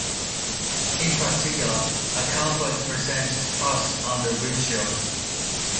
In particular, a carport prevents frost on the windshield.